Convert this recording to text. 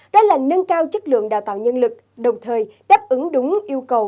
đó là nâng cao chất lượng đào tạo nhân lực đồng thời đáp ứng đúng yêu cầu